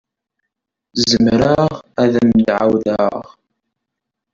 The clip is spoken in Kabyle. Zemreɣ ad am-d-ɛawdeɣ?